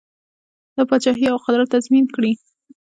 دا پاچهي او قدرت تضمین کړي.